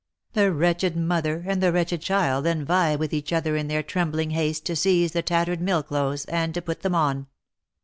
The wretched mother, and the wretched child then vie with each other in their trem bling haste to seize the tattered mill clothes, and to put them on.